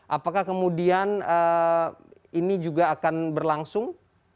apakah kemudian ini juga akan berlangsung